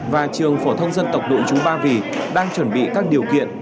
và trường phổ thông dân tộc nội chú ba vì đang chuẩn bị các điều kiện